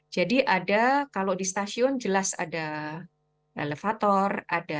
jadi ada kalau di stasiun jelas ada elevator